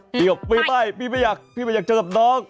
พี่บอกไปพี่ไม่อยากเจอกับน้อง